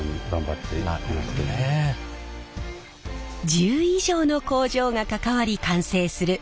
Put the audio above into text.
１０以上の工場が関わり完成する一枚の手ぬぐい。